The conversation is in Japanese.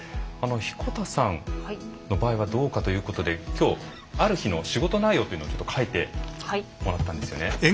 彦田さんの場合はどうかということで今日ある日の仕事内容っていうのを書いてもらったんですよね。